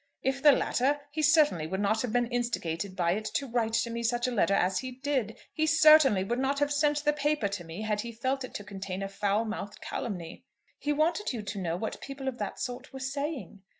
If the latter, he certainly would not have been instigated by it to write to me such a letter as he did. He certainly would not have sent the paper to me had he felt it to contain a foul mouthed calumny." "He wanted you to know what people of that sort were saying."